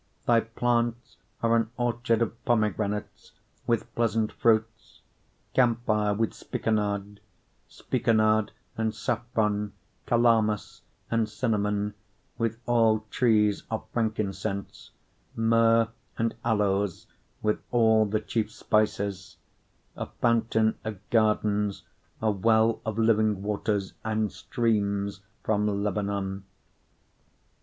4:13 Thy plants are an orchard of pomegranates, with pleasant fruits; camphire, with spikenard, 4:14 Spikenard and saffron; calamus and cinnamon, with all trees of frankincense; myrrh and aloes, with all the chief spices: 4:15 A fountain of gardens, a well of living waters, and streams from Lebanon.